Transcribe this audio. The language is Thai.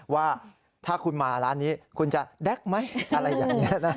ว่าถ้าคุณมาร้านนี้คุณจะแก๊กไหมอะไรอย่างนี้นะ